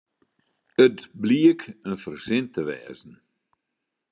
It bliek in fersin te wêzen.